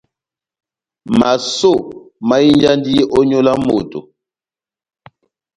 Masó mahinjandi ó nyolo ya moto.